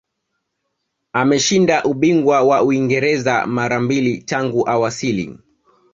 ameshinda ubingwa wa uingereza mara mbili tangu awasili